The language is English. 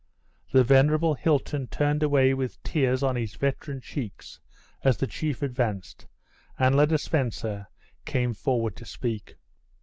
The venerable Hilton turned away with tears on his veteran cheeks as the chief advanced, and Le de Spencer came forward to speak.